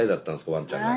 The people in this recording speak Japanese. ワンちゃんが。